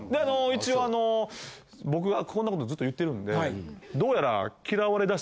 一応あの僕がこんなことずっと言ってるんでどうやら。